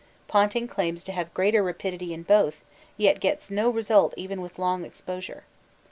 Ponting claims to have greater rapidity in both, yet gets no result even with long exposure.